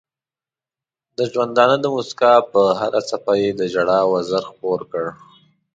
د ژوندانه د مسکا پر هره څپه یې د ژړا وزر خپور کړ.